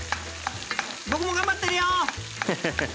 僕も頑張ってるよ。ハハハ。